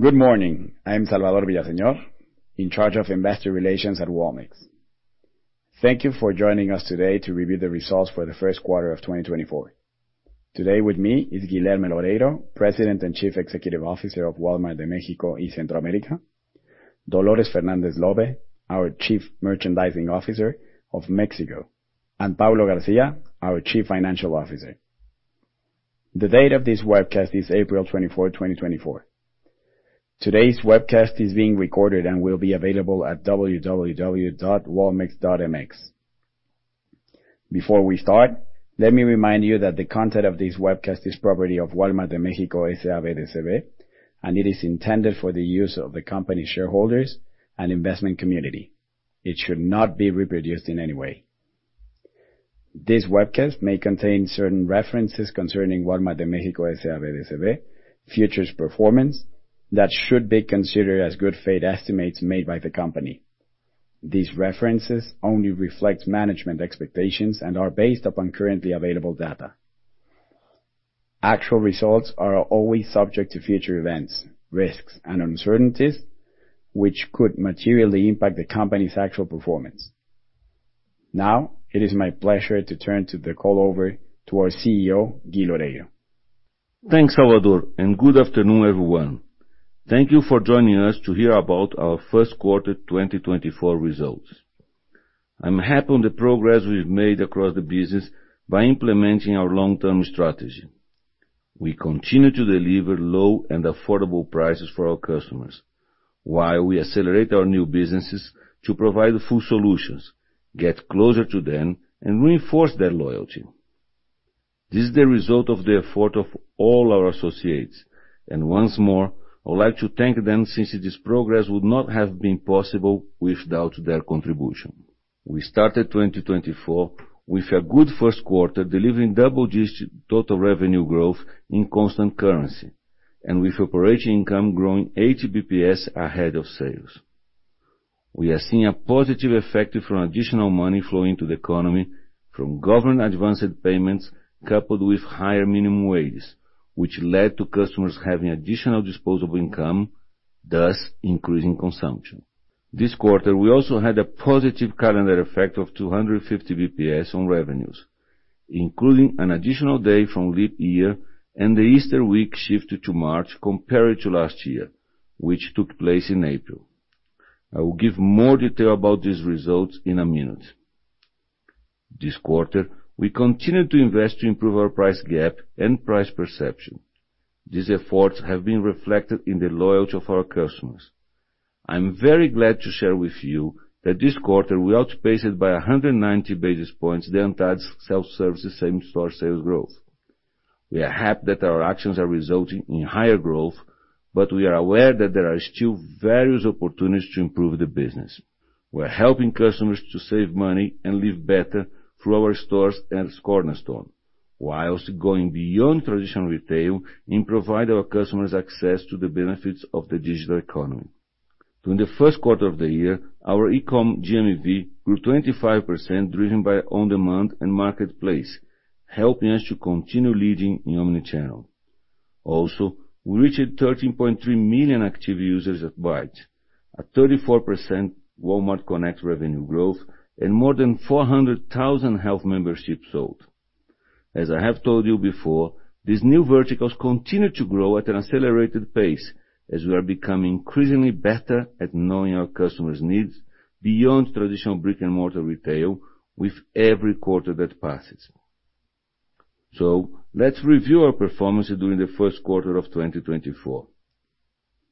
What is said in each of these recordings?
Good morning. I'm Salvador Villaseñor, in charge of Investor Relations at Walmex Thank you for joining us today to review the results for the first quarter of 2024. Today with me is Guilherme Loureiro, President and Chief Executive Officer of Walmart de México y Centroamérica; Dolores Fernández Lobbe, our Chief Merchandising Officer of Mexico; and Paulo García, our Chief Financial Officer. The date of this webcast is April 24, 2024. Today's webcast is being recorded and will be available at www.walmex.mx. Before we start, let me remind you that the content of this webcast is property of Walmart de México S.A.B. de C.V., and it is intended for the use of the company's shareholders and investment community. It should not be reproduced in any way. This webcast may contain certain references concerning Walmart de México S.A.B. de C.V., future performance, that should be considered as good faith estimates made by the company. These references only reflect management expectations and are based upon currently available data. Actual results are always subject to future events, risks, and uncertainties, which could materially impact the company's actual performance. Now, it is my pleasure to turn the call over to our CEO, Guilherme Loureiro. Thanks, Salvador, and good afternoon, everyone. Thank you for joining us to hear about our first quarter 2024 results. I'm happy with the progress we've made across the business by implementing our long-term strategy. We continue to deliver low and affordable prices for our customers, while we accelerate our new businesses to provide full solutions, get closer to them, and reinforce their loyalty. This is the result of the effort of all our associates, and once more, I would like to thank them since this progress would not have been possible without their contribution. We started 2024 with a good first quarter delivering double-digit total revenue growth in constant currency, and with operating income growing 80 bps ahead of sales. We have seen a positive effect from additional money flowing into the economy from government advanced payments coupled with higher minimum wages, which led to customers having additional disposable income, thus increasing consumption. This quarter, we also had a positive calendar effect of 250 bps on revenues, including an additional day from leap year and the Easter week shifted to March compared to last year, which took place in April. I will give more detail about these results in a minute. This quarter, we continued to invest to improve our price gap and price perception. These efforts have been reflected in the loyalty of our customers. I'm very glad to share with you that this quarter we outpaced by 190 basis points the ANTAD self-service same-store sales growth. We are happy that our actions are resulting in higher growth, but we are aware that there are still various opportunities to improve the business. We are helping customers to save money and live better through our stores as a cornerstone, while going beyond traditional retail and providing our customers access to the benefits of the digital economy. During the first quarter of the year, our e-com GMV grew 25% driven by on-demand and marketplace, helping us to continue leading in omnichannel. Also, we reached 13.3 million active users at, a 34% Walmart Connect revenue growth, and more than 400,000 health memberships sold. As I have told you before, these new verticals continue to grow at an accelerated pace as we are becoming increasingly better at knowing our customers' needs beyond traditional brick-and-mortar retail with every quarter that passes. So, let's review our performance during the first quarter of 2024.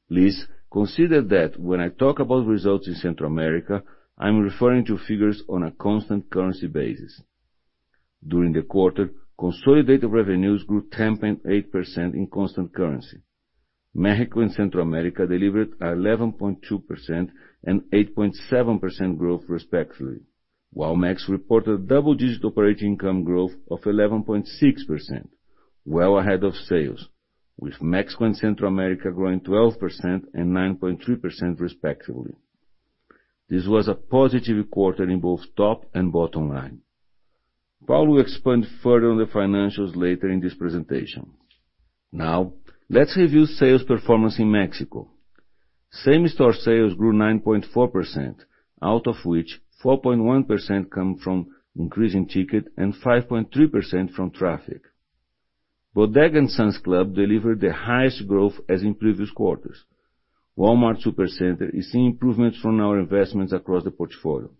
Please consider that when I talk about results in Centroamérica, I'm referring to figures on a constant currency basis. During the quarter, consolidated revenues grew 10.8% in constant currency. Mexico and Centroamérica delivered 11.2% and 8.7% growth respectively, while Mexico reported double-digit operating income growth of 11.6%, well ahead of sales, with Mexico and Centroamérica growing 12% and 9.3% respectively. This was a positive quarter in both top and bottom line. Paulo will expand further on the financials later in this presentation. Now, let's review sales performance in Mexico. Same-store sales grew 9.4%, out of which 4.1% come from increasing ticket and 5.3% from traffic. Bodega and Sam's Club delivered the highest growth as in previous quarters. WalMart Supercenter is seeing improvements from our investments across the portfolio.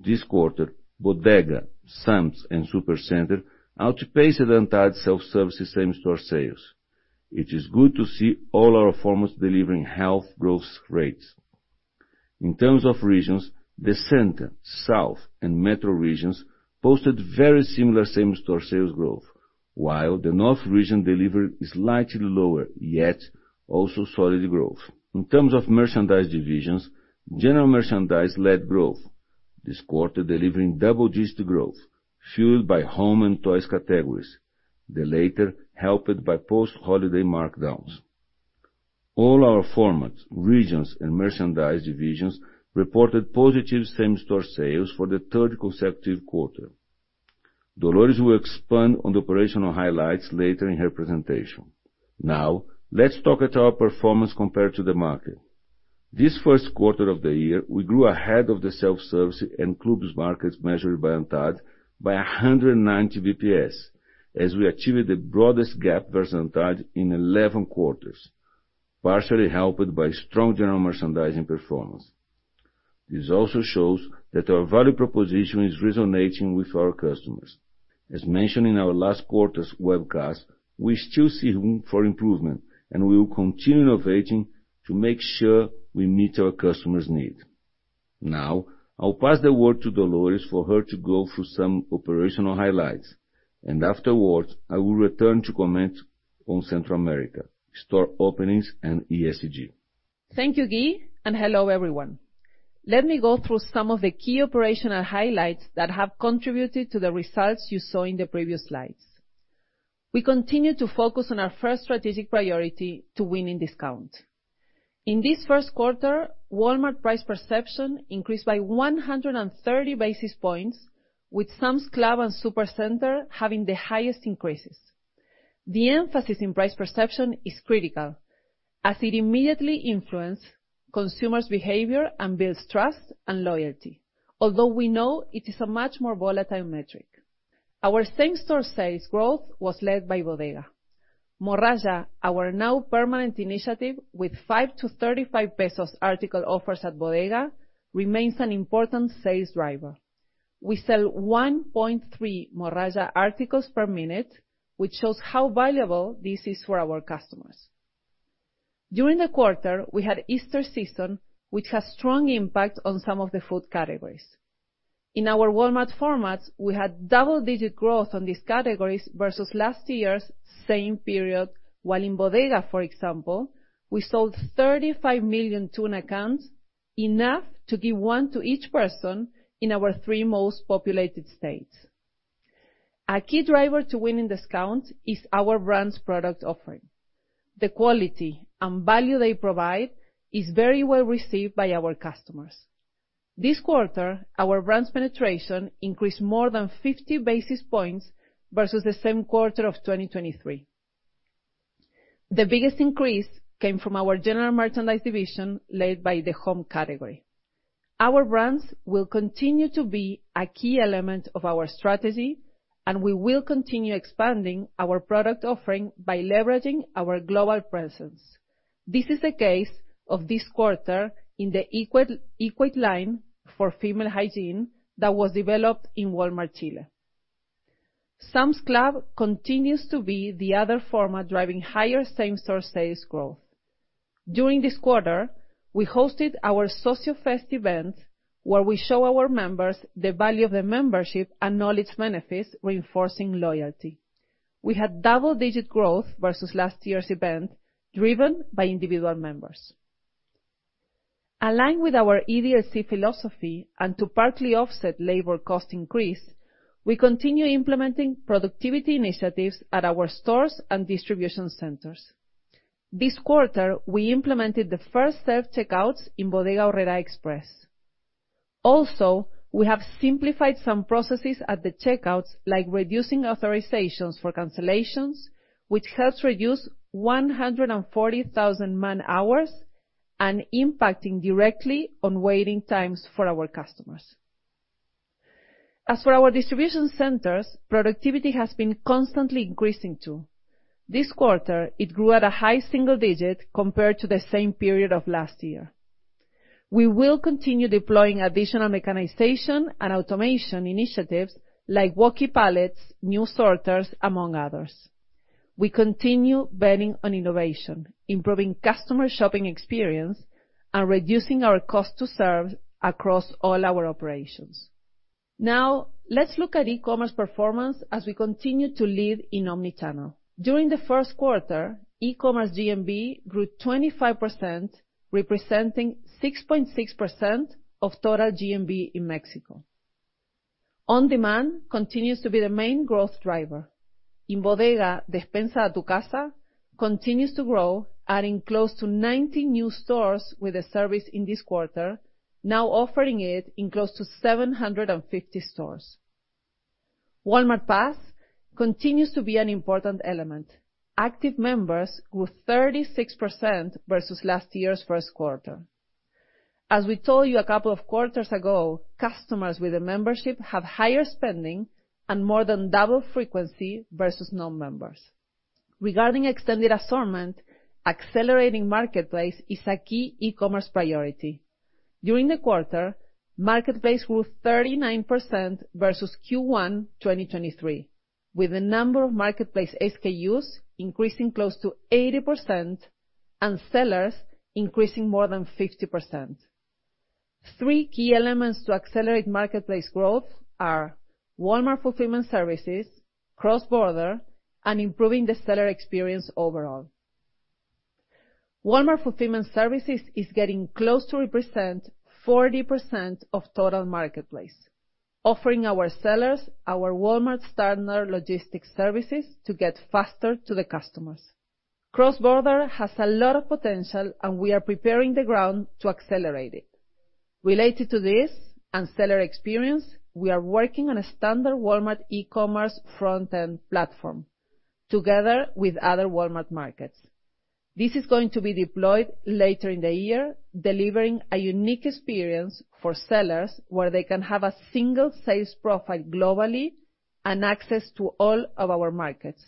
This quarter, Bodega, Sam's, and Supercenter outpaced the overall self-service same-store sales. It is good to see all our performance delivering healthy growth rates. In terms of regions, the center, south, and metro regions posted very similar same-store sales growth, while the north region delivered slightly lower, yet also solid growth. In terms of merchandise divisions, general merchandise led growth this quarter delivering double-digit growth, fueled by home and toys categories, the latter helped by post-holiday markdowns. All our formats, regions, and merchandise divisions reported positive same-store sales for the third consecutive quarter. Dolores will expand on the operational highlights later in her presentation. Now, let's talk about our performance compared to the market. This first quarter of the year, we grew ahead of the self-service and clubs markets measured by ANTAD by 190 bps as we achieved the broadest gap versus ANTAD in 11 quarters, partially helped by strong general merchandising performance. This also shows that our value proposition is resonating with our customers. As mentioned in our last quarter's webcast, we still see room for improvement, and we will continue innovating to make sure we meet our customers' needs. Now, I'll pass the word to Dolores for her to go through some operational highlights, and afterwards, I will return to comment on Centroamérica, store openings, and ESG. Thank you, Gui, and hello everyone. Let me go through some of the key operational highlights that have contributed to the results you saw in the previous slides. We continue to focus on our first strategic priority, winning discount. In this first quarter, Walmart price perception increased by 130 basis points, with Sam's Club and Supercenter having the highest increases. The emphasis on price perception is critical as it immediately influences consumer behavior and builds trust and loyalty, although we know it is a much more volatile metric. Our same-store sales growth was led by Bodega. Morralla, our now permanent initiative with 5-35 pesos article offers at Bodega, remains an important sales driver. We sell 1.3 Morralla articles per minute, which shows how valuable this is for our customers. During the quarter, we had Easter season, which had a strong impact on some of the food categories. In our Walmart formats, we had double-digit growth on these categories versus last year's same period, while in Bodega, for example, we sold 35 million tuna cans, enough to give one to each person in our three most populated states. A key driver to winning discount is our brand's product offering. The quality and value they provide is very well received by our customers. This quarter, our brand's penetration increased more than 50 basis points versus the same quarter of 2023. The biggest increase came from our general merchandise division led by the home category. Our brands will continue to be a key element of our strategy, and we will continue expanding our product offering by leveraging our global presence. This is the case of this quarter in the Equate line for female hygiene that was developed in Walmart Chile. Sam's Club continues to be the other format driving higher same-store sales growth. During this quarter, we hosted our Sociofest event where we showed our members the value of the membership and knowledge benefits, reinforcing loyalty. We had double-digit growth versus last year's event, driven by individual members. Aligned with our EDLC philosophy and to partly offset labor cost increase, we continue implementing productivity initiatives at our stores and distribution centers. This quarter, we implemented the first self-checkouts in Bodega Aurrerá Express. Also, we have simplified some processes at the checkouts, like reducing authorizations for cancellations, which helps reduce 140,000 man-hours and impact directly on waiting times for our customers. As for our distribution centers, productivity has been constantly increasing too. This quarter, it grew at a high single digit compared to the same period of last year. We will continue deploying additional mechanization and automation initiatives like walkie pallets, new sorters, among others. We continue betting on innovation, improving customer shopping experience, and reducing our cost to serve across all our operations. Now, let's look at e-commerce performance as we continue to lead in omnichannel. During the first quarter, e-commerce GMV grew 25%, representing 6.6% of total GMV in Mexico. On-demand continues to be the main growth driver. In Bodega, Despensa a Tu Casa continues to grow, adding close to 90 new stores with the service in this quarter, now offering it in close to 750 stores. Walmart+ continues to be an important element. Active members grew 36% versus last year's first quarter. As we told you a couple of quarters ago, customers with a membership have higher spending and more than double frequency versus non-members. Regarding extended assortment, accelerating marketplace is a key e-commerce priority. During the quarter, marketplace grew 39% versus Q1 2023, with the number of marketplace SKUs increasing close to 80% and sellers increasing more than 50%. Three key elements to accelerate marketplace growth are Walmart Fulfillment Services, Cross-Border, and improving the seller experience overall. Walmart Fulfillment Services is getting close to represent 40% of total marketplace, offering our sellers our Walmart Standard Logistics Services to get faster to the customers. Cross-Border has a lot of potential, and we are preparing the ground to accelerate it. Related to this and seller experience, we are working on a standard Walmart e-commerce front-end platform together with other Walmart markets. This is going to be deployed later in the year, delivering a unique experience for sellers where they can have a single sales profile globally and access to all of our markets,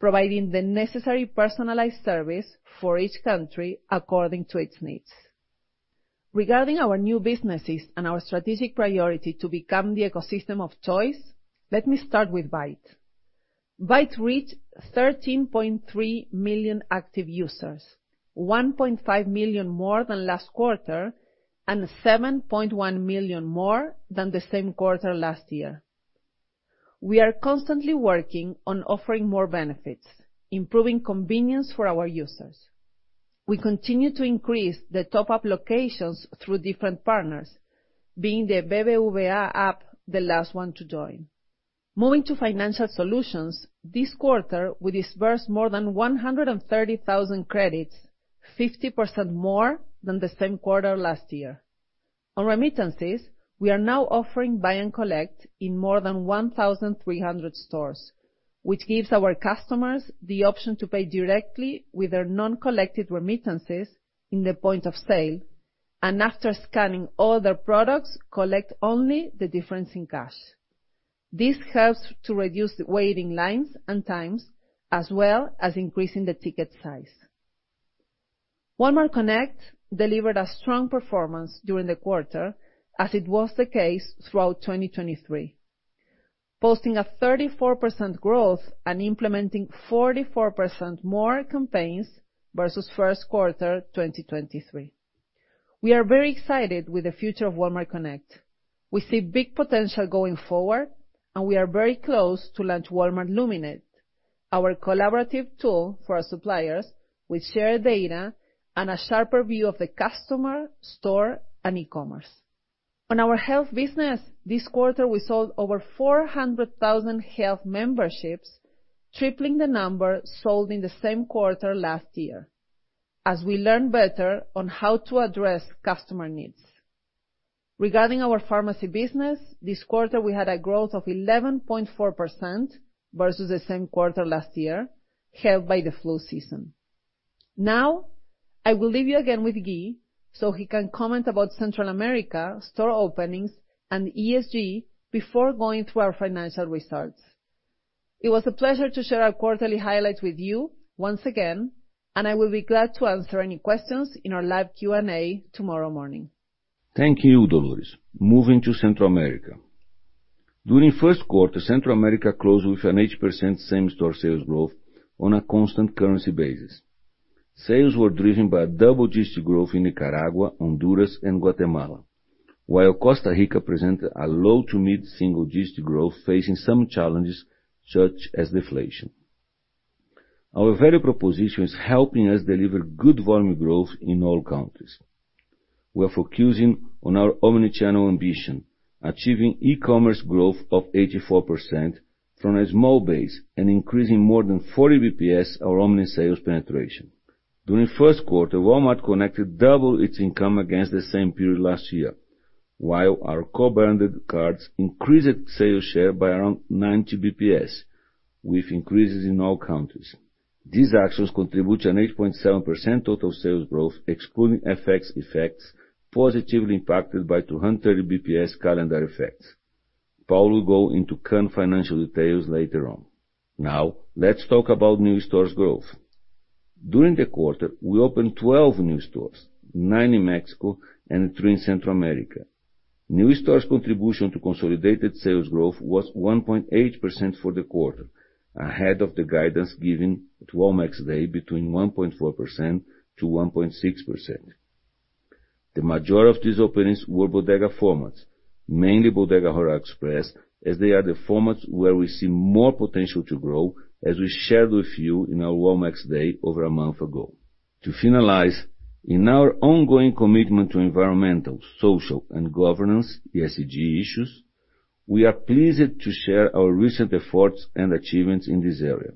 providing the necessary personalized service for each country according to its needs. Regarding our new businesses and our strategic priority to become the ecosystem of toys, let me start with Bait. Bait reached 13.3 million active users, 1.5 million more than last quarter and 7.1 million more than the same quarter last year. We are constantly working on offering more benefits, improving convenience for our users. We continue to increase the top-up locations through different partners, being the BBVA app the last one to join. Moving to financial solutions, this quarter, we disbursed more than 130,000 credits, 50% more than the same quarter last year. On remittances, we are now offering buy and collect in more than 1,300 stores, which gives our customers the option to pay directly with their non-collected remittances in the point of sale and, after scanning all their products, collect only the difference in cash. This helps to reduce the waiting lines and times, as well as increasing the ticket size. Walmart Connect delivered a strong performance during the quarter as it was the case throughout 2023, posting a 34% growth and implementing 44% more campaigns versus first quarter 2023. We are very excited with the future of Walmart Connect. We see big potential going forward, and we are very close to launching Walmart Luminate, our collaborative tool for our suppliers with shared data and a sharper view of the customer, store, and e-commerce. On our health business, this quarter, we sold over 400,000 health memberships, tripling the number sold in the same quarter last year as we learned better on how to address customer needs. Regarding our pharmacy business, this quarter, we had a growth of 11.4% versus the same quarter last year, helped by the flu season. Now, I will leave you again with Gui so he can comment about Centroamérica, store openings, and ESG before going through our financial results. It was a pleasure to share our quarterly highlights with you once again, and I will be glad to answer any questions in our live Q&A tomorrow morning. Thank you, Dolores. Moving to Centroamérica. During first quarter, Centroamérica closed with an 80% same-store sales growth on a constant currency basis. Sales were driven by double-digit growth in Nicaragua, Honduras, and Guatemala, while Costa Rica presented a low to mid single-digit growth, facing some challenges such as deflation. Our value proposition is helping us deliver good volume growth in all countries. We are focusing on our omnichannel ambition, achieving e-commerce growth of 84% from a small base and increasing more than 40 BPS our omnichannel sales penetration. During first quarter, Walmart Connect doubled its income against the same period last year, while our co-branded cards increased sales share by around 90 bps, with increases in all countries. These actions contribute to an 8.7% total sales growth, excluding FX effects, positively impacted by 230 bps calendar effects. Paulo will go into current financial details later on. Now, let's talk about new store growth. During the quarter, we opened 12 new stores, nine in Mexico and three in Centroamérica. New store contribution to consolidated sales growth was 1.8% for the quarter, ahead of the guidance given at Walmex Day between 1.4%-1.6%. The majority of these openings were Bodega formats, mainly Bodega Aurrerá Express, as they are the formats where we see more potential to grow, as we shared with you in our Walmex Day over a month ago. To finalize, in our ongoing commitment to environmental, social, and governance ESG issues, we are pleased to share our recent efforts and achievements in this area.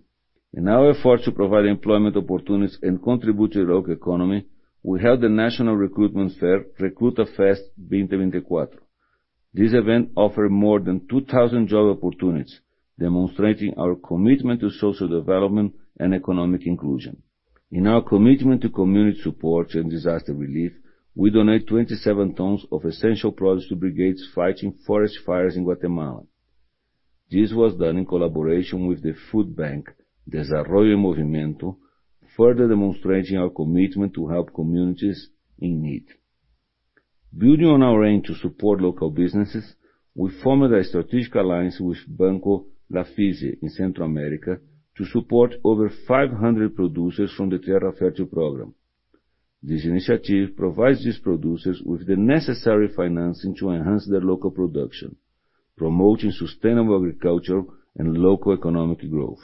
In our efforts to provide employment opportunities and contribute to the local economy, we held the National Recruitment Fair Recruiter Fest 2024. This event offered more than 2,000 job opportunities, demonstrating our commitment to social development and economic inclusion. In our commitment to community support and disaster relief, we donated 27 tons of essential produce to brigades fighting forest fires in Guatemala. This was done in collaboration with the food bank Desarrollo en Movimiento, further demonstrating our commitment to help communities in need. Building on our aim to support local businesses, we formed a strategic alliance with Banco Lafise in Central America to support over 500 producers from the Tierra Fértil program. This initiative provides these producers with the necessary financing to enhance their local production, promoting sustainable agriculture and local economic growth.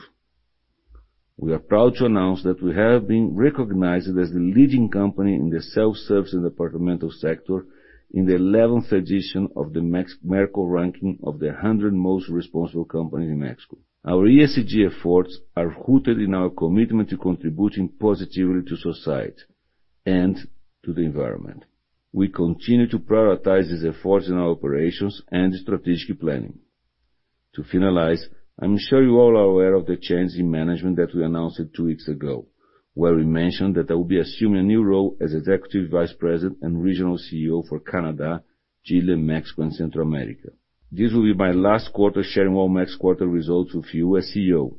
We are proud to announce that we have been recognized as the leading company in the self-service and departmental sector in the 11th edition of the Merco ranking of the 100 most responsible companies in México. Our ESG efforts are rooted in our commitment to contributing positively to society and to the environment. We continue to prioritize these efforts in our operations and strategic planning. To finalize, I'm sure you all are aware of the change in management that we announced two weeks ago, where we mentioned that I will be assuming a new role as Executive Vice President and Regional CEO for Canada, Chile, Mexico, and Central America. This will be my last quarter sharing Walmart's quarter results with you as CEO.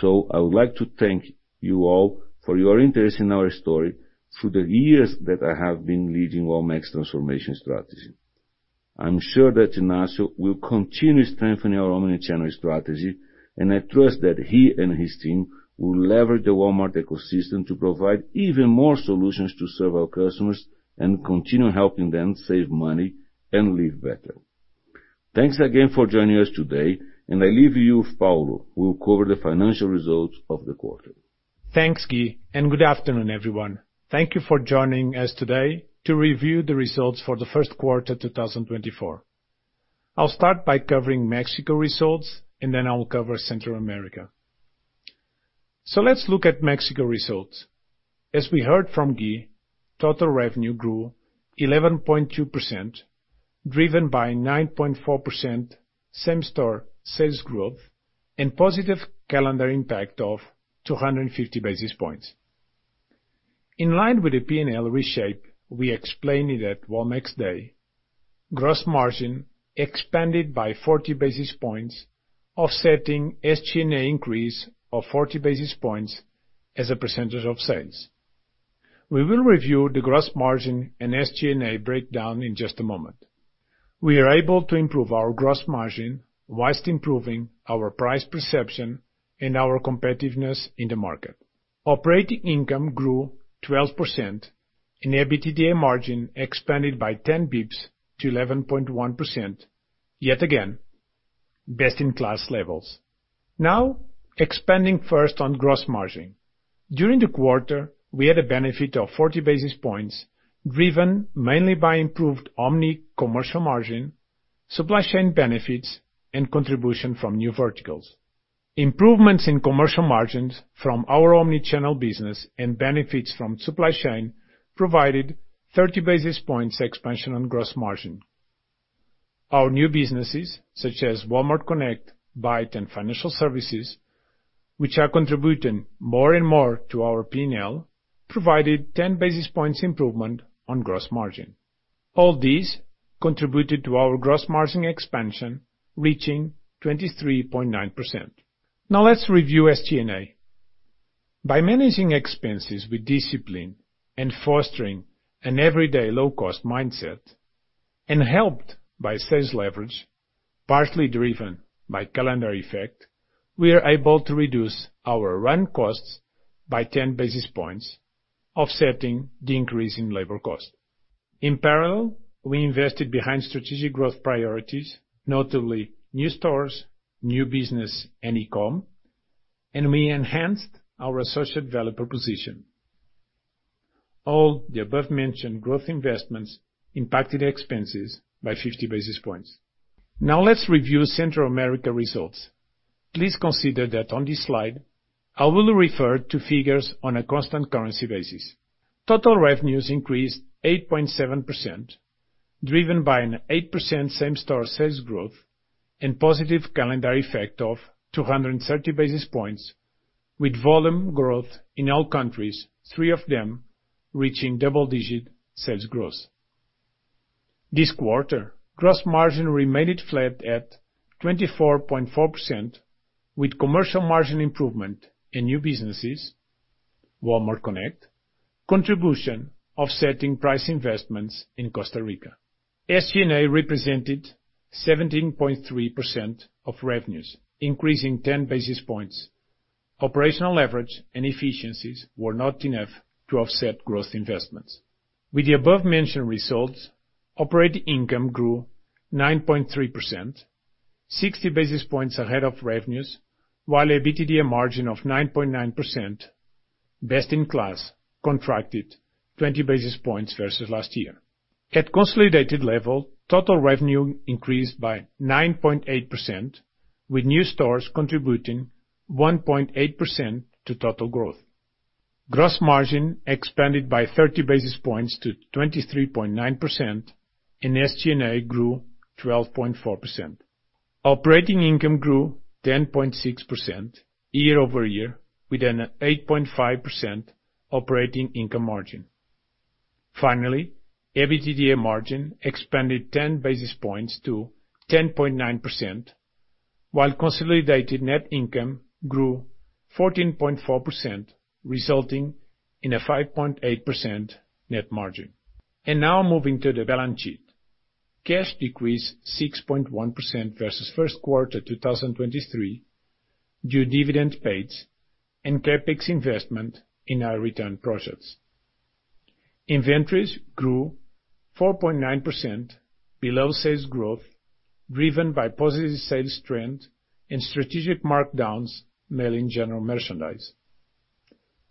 So I would like to thank you all for your interest in our story through the years that I have been leading Walmart's transformation strategy. I'm sure that Ignacio will continue strengthening our omnichannel strategy, and I trust that he and his team will leverage the Walmart ecosystem to provide even more solutions to serve our customers and continue helping them save money and live better. Thanks again for joining us today, and I leave you with Paulo, who will cover the financial results of the quarter. Thanks, Gui, and good afternoon, everyone. Thank you for joining us today to review the results for the first quarter 2024. I'll start by covering Mexico results, and then I will cover Central America. Let's look at Mexico results. As we heard from Gui, total revenue grew 11.2%, driven by 9.4% same-store sales growth and positive calendar impact of 250 basis points. In line with the P&L reshape we explained at Walmex Day, gross margin expanded by 40 basis points, offsetting SG&A increase of 40 basis points as a percentage of sales. We will review the gross margin and SG&A breakdown in just a moment. We are able to improve our gross margin while improving our price perception and our competitiveness in the market. Operating income grew 12%, and EBITDA margin expanded by 10 bps to 11.1%, yet again, best-in-class levels. Now, expanding first on gross margin. During the quarter, we had a benefit of 40 basis points driven mainly by improved omni-commercial margin, supply chain benefits, and contribution from new verticals. Improvements in commercial margins from our omnichannel business and benefits from supply chain provided 30 basis points expansion on gross margin. Our new businesses, such as Walmart Connect, Bait, and Financial Services, which are contributing more and more to our P&L, provided 10 basis points improvement on gross margin. All these contributed to our gross margin expansion reaching 23.9%. Now, let's review SG&A. By managing expenses with discipline and fostering an Everyday Low Cost mindset, and helped by sales leverage, partly driven by calendar effect, we are able to reduce our run costs by 10 basis points, offsetting the increase in labor cost. In parallel, we invested behind strategic growth priorities, notably new stores, new business, and e-com, and we enhanced our associate developer position. All the above-mentioned growth investments impacted expenses by 50 basis points. Now, let's review Central America results. Please consider that on this slide, I will refer to figures on a constant currency basis. Total revenues increased 8.7%, driven by an 8% same-store sales growth and positive calendar effect of 230 basis points, with volume growth in all countries, three of them reaching double-digit sales growth. This quarter, gross margin remained flat at 24.4%, with commercial margin improvement in new businesses, Walmart Connect contribution offsetting price investments in Costa Rica. SG&A represented 17.3% of revenues, increasing 10 basis points. Operational leverage and efficiencies were not enough to offset growth investments. With the above-mentioned results, operating income grew 9.3%, 60 basis points ahead of revenues, while EBITDA margin of 9.9%, best-in-class, contracted 20 basis points versus last year. At consolidated level, total revenue increased by 9.8%, with new stores contributing 1.8% to total growth. Gross margin expanded by 30 basis points to 23.9%, and SG&A grew 12.4%. Operating income grew 10.6% year-over-year, with an 8.5% operating income margin. Finally, EBITDA margin expanded 10 basis points to 10.9%, while consolidated net income grew 14.4%, resulting in a 5.8% net margin. Now, moving to the balance sheet. Cash decreased 6.1% versus first quarter 2023 due to dividend payments and CapEx investment in high-return projects. Inventories grew 4.9%, below sales growth, driven by positive sales trend and strategic markdowns mainly in general merchandise.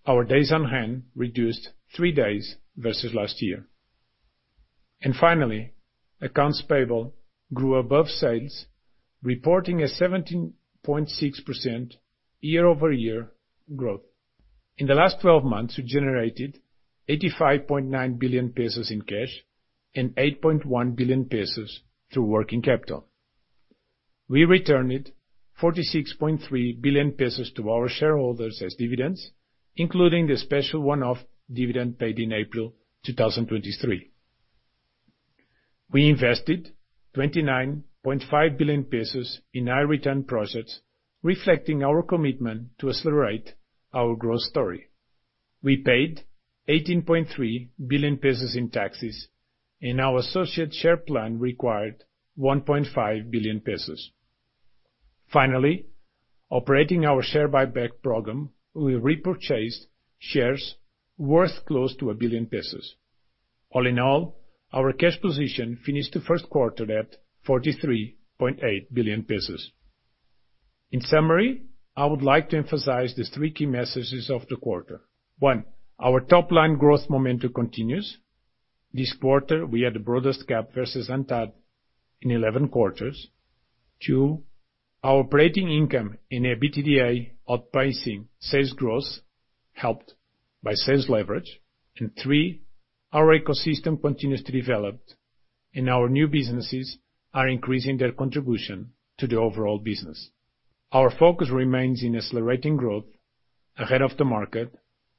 Our days on hand reduced three days versus last year. Finally, accounts payable grew above sales, reporting a 17.6% year-over-year growth. In the last 12 months, we generated 85.9 billion pesos in cash and 8.1 billion pesos through working capital. We returned 46.3 billion pesos to our shareholders as dividends, including the special one-off dividend paid in April 2023. We invested 29.5 billion pesos in high-return projects, reflecting our commitment to accelerate our growth story. We paid 18.3 billion pesos in taxes, and our associate share plan required 1.5 billion pesos. Finally, operating our share buyback program, we repurchased shares worth close to 1 billion pesos. All in all, our cash position finished the first quarter at 43.8 billion pesos. In summary, I would like to emphasize the three key messages of the quarter. One, our top-line growth momentum continues. This quarter, we had the broadest gap versus ANTAD in 11 quarters. Two, our operating income and EBITDA outpacing sales growth helped by sales leverage. Three, our ecosystem continues to develop, and our new businesses are increasing their contribution to the overall business. Our focus remains in accelerating growth ahead of the market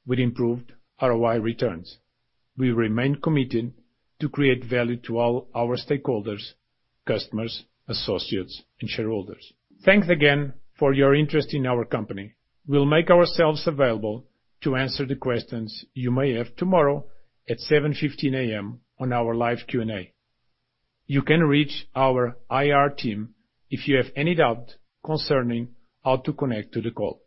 with improved ROI returns. We remain committed to create value to all our stakeholders, customers, associates, and shareholders. Thanks again for your interest in our company. We'll make ourselves available to answer the questions you may have tomorrow at 7:15 A.M. on our live Q&A. You can reach our IR team if you have any doubts concerning how to connect to the call.